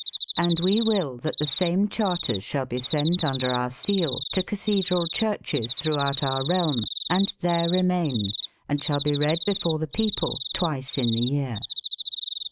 And we will that the same charters shall be sent under our seal to cathedral churches throughout our realm, and there remain, and shall be read before the people twice in the year.